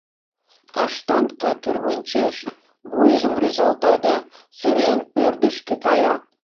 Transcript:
Каштанка тӱрвынчеш, вуйжым рӱзалта да, сырен, ӧрдыжкӧ кая.